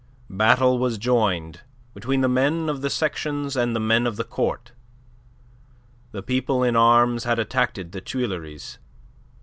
Battle was joined between the men of the sections and the men of the Court. The people in arms had attacked the Tuileries.